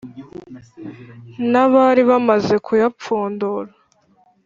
n’abari bamaze kuyapfundura